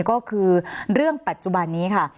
ก็คือเรื่องปัจจุบันนี้ค่ะ